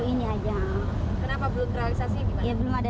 hai ini kita mau kemana teh mau ke asap nanti siapa dan apa jadi saudaranya apa